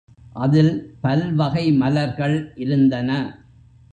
அதில் பல்வகை மலர்கள் இருந்தன.